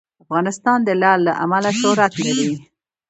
افغانستان د لعل له امله شهرت لري.